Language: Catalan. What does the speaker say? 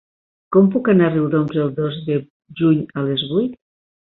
Com puc anar a Riudoms el dos de juny a les vuit?